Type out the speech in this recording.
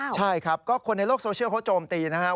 ใช่ครับก็คนในโลกโซเชียลเขาโจมตีนะครับ